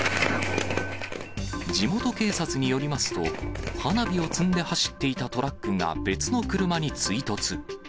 地元警察によりますと、花火を積んで走っていたトラックが別の車に追突。